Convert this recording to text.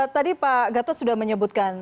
tadi pak gatot sudah menyebutkan